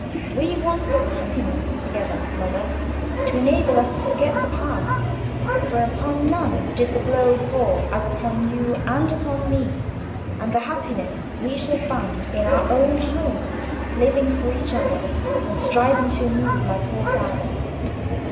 "We want happiness together, mother, to enable us to forget the past; for upon none did the blow fall, as upon you and upon me. And the happiness we shall find, in our own home, living for each other, and striving to amuse my poor father."